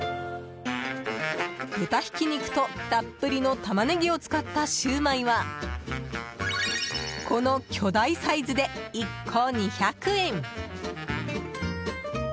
豚ひき肉とたっぷりのタマネギを使ったシューマイはこの巨大サイズで１個２００円。